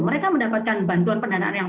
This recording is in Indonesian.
mereka mendapatkan bantuan pendanaan yang